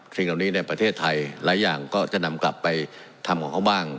สิ่งเหล่านี้ในประเทศไทยหลายอย่างก็จะนำกลับไปทำของเขาบ้าง